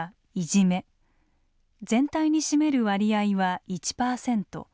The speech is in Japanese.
全体に占める割合は１％。